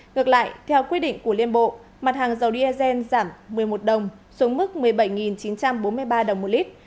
ngược lại theo quy định của liên bộ mặt hàng dầu dsn giảm một mươi một đồng xuống mức một mươi bảy chín trăm bốn mươi ba đồng một lít